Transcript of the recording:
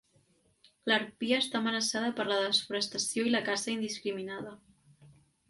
L'harpia està amenaçada per la desforestació i la caça indiscriminada.